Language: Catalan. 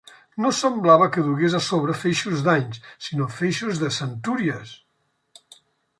No semblava que dugués a sobre feixos d'anys, sinó feixos de centúries…